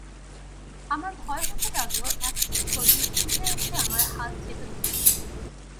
আমার ভয় হতে লাগল এখনই সন্দীপ ছুটে এসে আমার হাত চেপে ধরবেন।